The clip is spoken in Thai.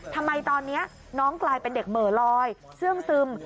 ทำไมตอนนี้น้องกลายเป็นเด็กเหม่อลอยเสื้องซึม